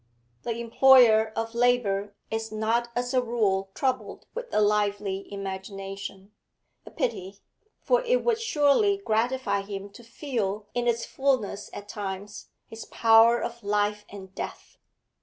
The employer of labour is not as a rule troubled with a lively imagination; a pity, for it would surely gratify him to feel in its fulness at times his power of life and death.